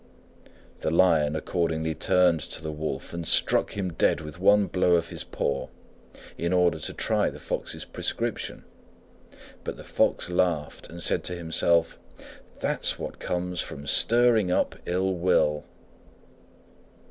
The Lion accordingly turned to the Wolf and struck him dead with one blow of his paw, in order to try the Fox's prescription; but the Fox laughed and said to himself, "That's what comes of stirring up ill will."